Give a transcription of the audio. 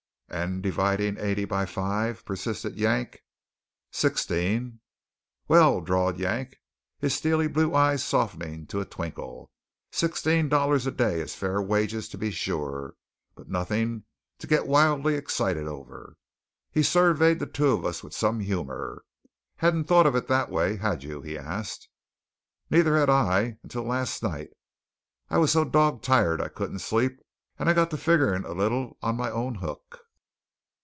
"And dividin' eighty by five?" persisted Yank. "Sixteen." "Well," drawled Yank, his steely blue eye softening to a twinkle, "sixteen dollars a day is fair wages, to be sure; but nothin' to get wildly excited over." He surveyed the two of us with some humour. "Hadn't thought of it that way, had you?" he asked. "Nuther had I until last night. I was so dog tired I couldn't sleep, and I got to figgerin' a little on my own hook."